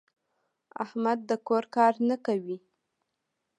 احمد د کور کار نه کوي.